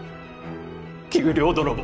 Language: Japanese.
給料泥棒。